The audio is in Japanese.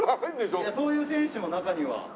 いやそういう選手も中には。